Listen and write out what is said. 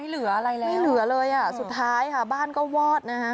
ไม่เหลืออะไรแล้วสุดท้ายค่ะบ้านก็วอดนะคะ